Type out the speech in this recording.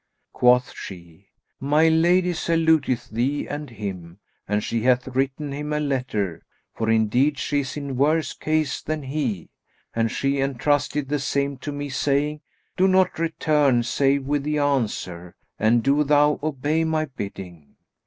Quoth she, "My lady saluteth thee and him, and she hath written him a letter, for indeed she is in worse case than he; and she entrusted the same to me, saying, 'Do not return save with the answer; and do thou obey my bidding.'